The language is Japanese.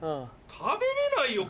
食べれないよ